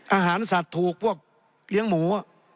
อาหารสัตว์ถูกพวกเลี้ยงหมู